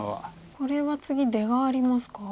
これは次出がありますか？